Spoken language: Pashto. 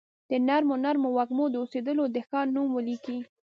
د نرمو نرمو وږمو، د اوسیدولو د ښار نوم ولیکي